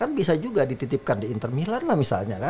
kan bisa juga dititipkan di inter milan lah misalnya kan